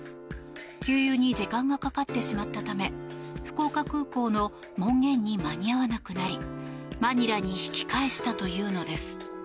給油に時間がかかってしまったため福岡空港の門限に間に合わなくなりマニラに引き返したというのです。